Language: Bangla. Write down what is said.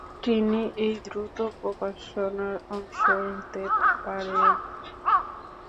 তিনি এই দ্রুত প্রকাশনার অংশ হতে পারেননি।